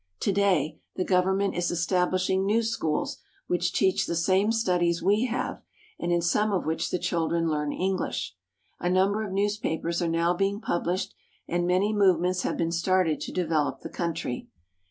To day the government is estabUshing new schools which teach the same studies we have, and in some of which the chil dren learn English. A number of newspapers are now being published, and many movements have been started to develop the country.